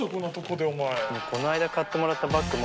この間買ってもらったバッグ